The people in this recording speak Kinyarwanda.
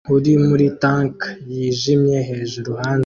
uri muri tank yijimye hejuru hanze